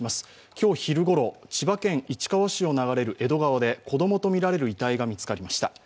今日昼ごろ、千葉県市川市を流れる江戸川で子供とみられる遺体が見つかりました。